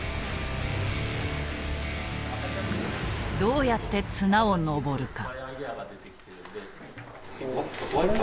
どうやって綱を登るか。